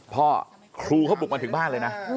ครูเขาบุกมาถึงบ้านเลยนะ